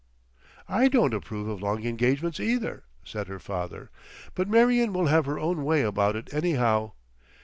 "I don't approve of long engagements either," said her father. "But Marion will have her own way about it, anyhow.